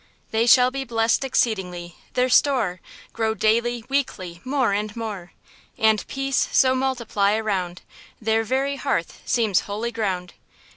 They shall be blessed exceedingly, their store Grow daily, weekly more and more, And peace so multiply around, Their very hearth seems holy ground.